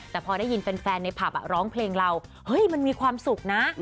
แต่พอได้ยินแฟนในผับร้องเพลงเราเฮ้ยมันมีความสุขนะ